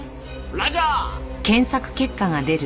ラジャー！